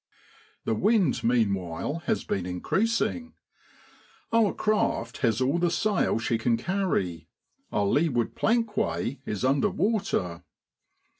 The wind meanwhile has been increasing. Our craft has all the sail she can carry; our leeward plankway is under water.